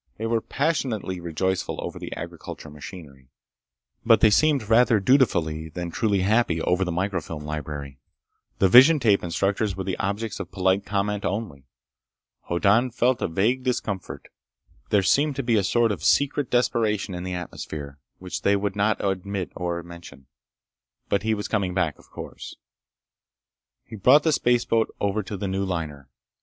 They were passionately rejoiceful over the agricultural machinery. But they seemed rather dutifully than truly happy over the microfilm library. The vision tape instructors were the objects of polite comment only. Hoddan felt a vague discomfort. There seemed to be a sort of secret desperation in the atmosphere, which they would not admit or mention. But he was coming back. Of course. He brought the spaceboat over to the new liner.